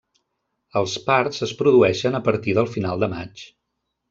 Els parts es produeixen a partir del final de maig.